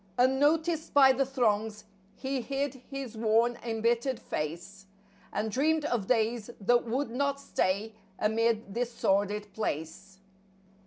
Unnoticed by the throngs, he hid his worn, embittered face, And dreamed of days that would not stay, amid this sordid place.